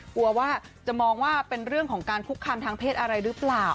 กลัวว่าจะมองว่าเป็นเรื่องของการคุกคามทางเพศอะไรหรือเปล่า